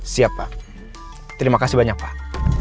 siap pak terima kasih banyak pak